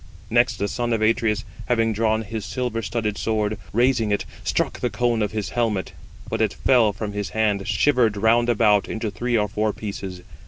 Next the son of Atreus having drawn his silver studded sword, raising it, struck the cone 161 of his helmet, but it fell from his hand shivered round about into three or four pieces.